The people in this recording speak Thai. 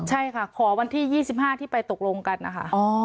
ใช่ค่ะขอวันที่๒๕ที่ไปตกลงกันนะคะ